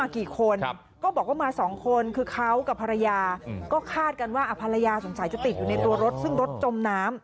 กี่คนก็บอกว่ามา๒คนคือเขากับภรรยาก็คาดกันว่าภรรยาสงสัยจะติดอยู่ในตัวรถซึ่งรถจมน้ำ